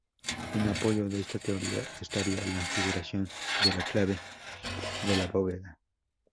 En apoyo de esta teoría estaría la figuración de la clave de la bóveda.